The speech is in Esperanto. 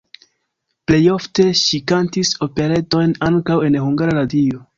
Plej ofte ŝi kantis operetojn, ankaŭ en Hungara Radio.